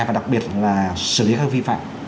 và đặc biệt là xử lý các vi phạm